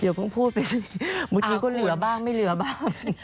เดี๋ยวเพิ่งพูดไปซักทีหมดทีก็เหลือบ้างไม่เหลือบ้าง